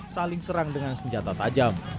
saling serang dengan senjata tajam